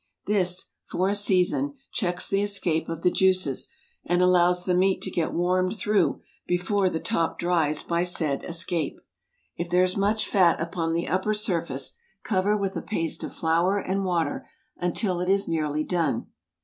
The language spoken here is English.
This, for a season, checks the escape of the juices, and allows the meat to get warmed through before the top dries by said escape. If there is much fat upon the upper surface, cover with a paste of flour and water until it is nearly done.